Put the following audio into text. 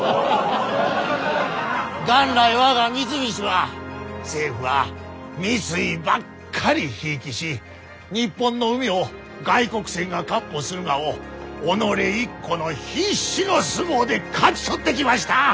元来我が三菱は政府が三井ばっかり贔屓し日本の海を外国船が闊歩するがを己一個の必死の相撲で勝ち取ってきました。